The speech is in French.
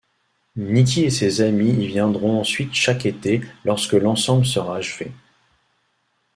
Niki et ses amis y viendront ensuite chaque été lorsque l'ensemble sera achevé.